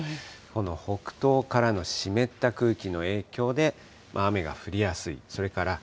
この北東からの湿った空気の影響で、雨が降りやすい、それから